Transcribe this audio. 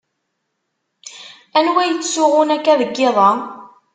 Anwa yettsuɣun akka deg iḍ-a?